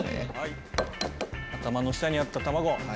頭の下にあった卵。